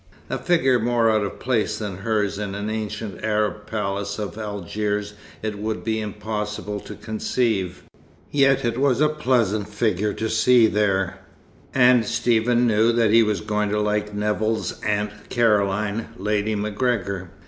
A figure more out of place than hers in an ancient Arab palace of Algiers it would be impossible to conceive; yet it was a pleasant figure to see there, and Stephen knew that he was going to like Nevill's Aunt Caroline, Lady MacGregor.